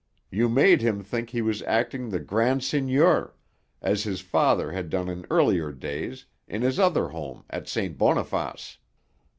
You made him think he was acting the grand seigneur, as his father had done in earlier days, in his other home at St. Boniface.